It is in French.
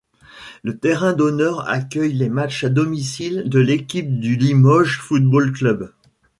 Le terrain d'honneur accueille les matches à domicile de l'équipe du Limoges Football Club.